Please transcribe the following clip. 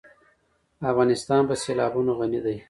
افغانستان په سیلابونه غني دی.